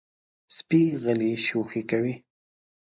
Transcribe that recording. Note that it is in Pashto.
سپي غلی شوخي کوي.